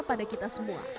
bicara pada kita semua